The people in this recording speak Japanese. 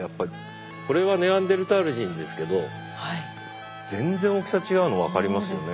これはネアンデルタール人ですけど全然大きさ違うの分かりますよね？